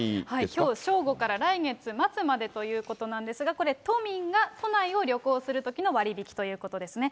きょう正午から来月末までということなんですが、これ、都民が都内を旅行するときの割引ということですね。